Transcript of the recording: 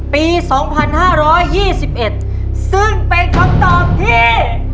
ปี๒๕๒๑ซึ่งเป็นคำตอบที่